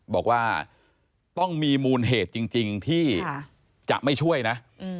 บอกว่าต้องมีมูลเหตุจริงที่จะไม่ช่วยนะ